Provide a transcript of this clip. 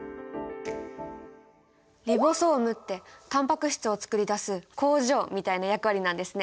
リボソームってタンパク質を作り出す工場みたいな役割なんですね！